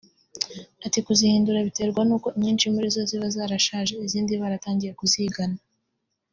Ati “Kuzihindura biterwa nuko inyinshi muri zo ziba zashaje izindi baratangiye kuzigana[